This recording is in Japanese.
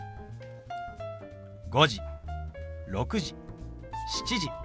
「５時」「６時」「７時」。